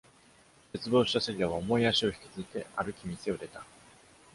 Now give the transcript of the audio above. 絶望したセリアは、重い足を引きずって歩き店を出た。